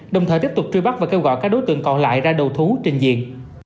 đồng thời tiếp tục truy bắt và kêu gọi các đối tượng còn lại ra đầu thú trình diện